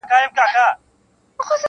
هلک دي لوی کړ د لونګو بوی یې ځینه-